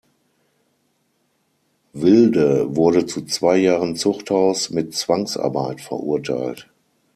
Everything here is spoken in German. Wilde wurde zu zwei Jahren Zuchthaus mit Zwangsarbeit verurteilt.